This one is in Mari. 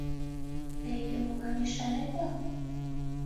Тый Юмылан ӱшанет мо?